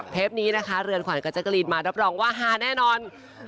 นี้นะคะเรือนขวัญกับแจกรีนมารับรองว่าฮาแน่นอน